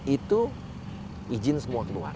itu izin semua keluar